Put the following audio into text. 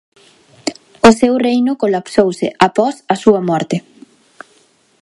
O seu reino colapsouse após a súa morte.